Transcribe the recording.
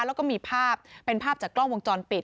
แล้วก็มีภาพเป็นภาพจากกล้องวงจรปิด